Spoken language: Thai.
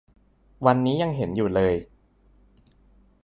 วันนี้ยังเห็นอยู่เลย